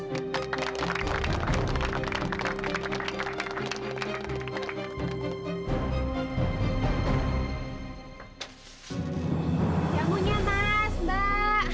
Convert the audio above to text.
jamunya mas mbak